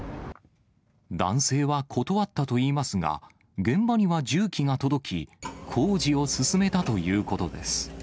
男性は断ったといいますが、現場には重機が届き、工事を進めたということです。